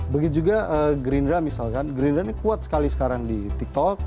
begitu juga green run misalkan green run kuat sekali sekarang di tiktok